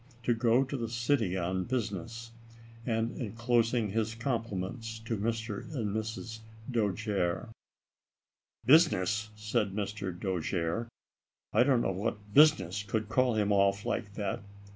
to go to the city on business and enclosing his compliments to Mr. and Mrs. Dojere. "Business?" said Mr. Dojere, "I don't know what business could call him off like that.